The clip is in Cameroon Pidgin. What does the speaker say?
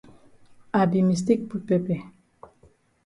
I be mistake put pepper.